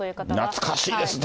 懐かしいですね。